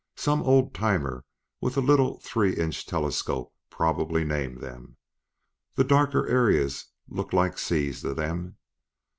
Some old timer with a little three inch telescope probably named them. The darker areas looked like seas to them.